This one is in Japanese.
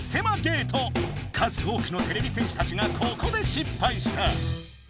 数多くのてれび戦士たちがここで失敗した。